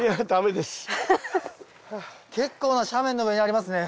結構な斜面の上にありますね。